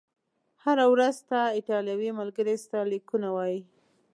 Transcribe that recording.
هره ورځ، ستا ایټالوي ملګري ستا لیکونه وایي؟